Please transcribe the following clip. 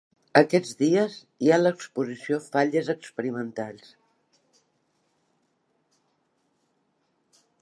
Aquests dies, hi ha l’exposició Falles experimentals.